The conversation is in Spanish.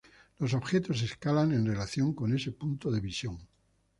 Los objetos se escalan en relación con ese punto de visión.